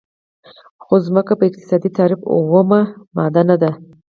خو ځمکه په اقتصادي تعریف اومه ماده نه ده.